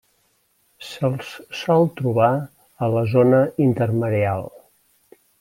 Se'ls sol trobar a la zona intermareal.